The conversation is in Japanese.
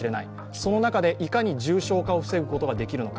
その中で、いかに重症化を防ぐことができるのか。